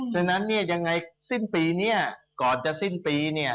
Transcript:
ฉะนั้นยังไงสิ้นปีนี้ก่อนจะสิ้นปี